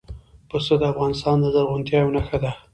پسه د افغانستان د زرغونتیا یوه نښه ده.